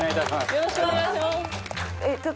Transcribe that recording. よろしくお願いします。